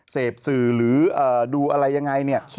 เสพสื่อหรือดูอะไรยังไงเนี่ย